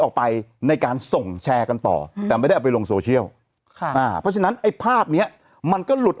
ออกไปในการส่งแชร์กันต่อแต่ไม่ได้เอาไปลงโซเชียลค่ะอ่าเพราะฉะนั้นไอ้ภาพเนี้ยมันก็หลุด